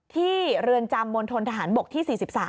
ที่เรือนจำมลทรทหารบกที่๔๓